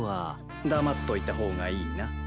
黙っといた方がいいな。